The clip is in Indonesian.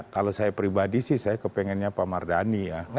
kalau saya pribadi sih saya kepengennya pak mardani ya